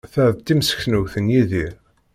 Ta d timseknewt n Yidir.